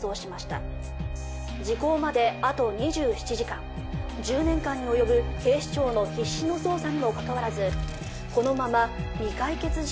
「時効まであと２７時間」「１０年間に及ぶ警視庁の必死の捜査にもかかわらずこのまま未解決事件となってしまうのでしょうか」